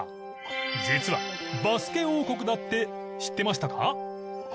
実はバスケ王国だって知ってましたか？